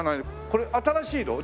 これ新しいの？